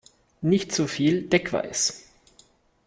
Nicht so viel Deckweiß!